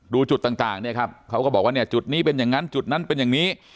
ดูจุดต่างเนี่ยครับเขาก็บอกว่าเนี่ยจุดนี้เป็นอย่างนั้นจุดนั้นเป็นอย่างนี้